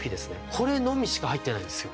これのみしか入ってないんですよ。